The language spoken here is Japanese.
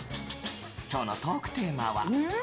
今日のトークテーマは。